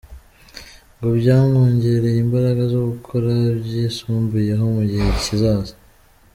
Ngo byamwongereye imbaraga zo gukora byisumbuyeho mu gihe kizaza.